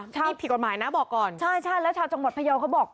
นี่ผิดกฎหมายนะบอกก่อนใช่ใช่แล้วชาวจังหวัดพยาวเขาบอก